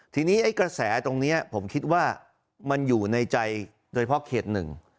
ทีนี้ไอ้กระแสตรงนี้ผมคิดว่ามันอยู่ในใจโดยเฉพาะเขตหนึ่ง